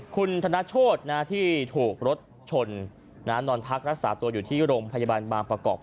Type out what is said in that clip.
คุณธนโชธที่ถูกรถชนนอนพักรักษาตัวอยู่ที่โรงพยาบาลบางประกอบ